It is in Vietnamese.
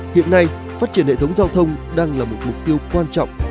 hiện nay phát triển hệ thống giao thông đang là một mục tiêu quan trọng